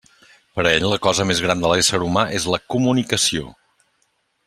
Per a ell, la cosa més gran de l'ésser humà és la COMUNICACIÓ.